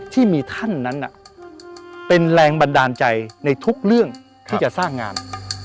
ที่มีท่านนั้นเป็นแรงบันดาลใจในทุกเรื่องที่จะสร้างงาน